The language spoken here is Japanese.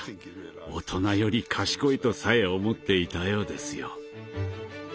大人より賢いとさえ思っていたようですよ。